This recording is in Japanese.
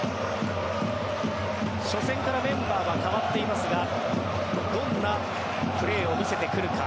初戦からメンバーが変わっていますがどんなプレーを見せてくるか。